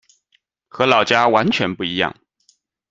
和老家完全不一样